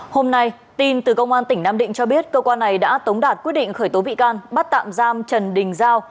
hôm nay tin từ công an tỉnh nam định cho biết cơ quan này đã tống đạt quyết định khởi tố bị can bắt tạm giam trần đình giao